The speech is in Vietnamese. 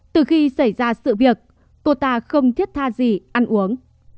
từ khi xảy ra sự việc cô ta không thiết tha gì ăn uống